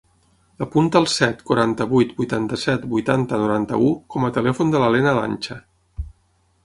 Apunta el set, quaranta-vuit, vuitanta-set, vuitanta, noranta-u com a telèfon de la Lena Lancha.